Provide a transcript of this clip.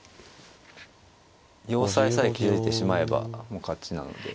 要塞さえ築いてしまえばもう勝ちなので。